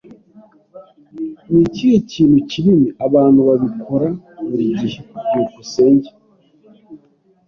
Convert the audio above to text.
Ni ikihe kintu kinini? Abantu babikora buri gihe. byukusenge